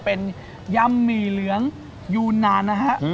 เป็นยำหมี่เหลืองยูนานนะฮะ